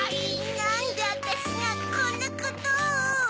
なんでアタシがこんなことを。